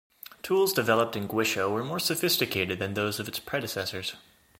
Tools developed in Gwisho were more sophisticated than those of its predecessors.